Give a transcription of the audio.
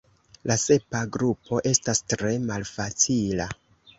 La sepa grupo estas tre malfacila.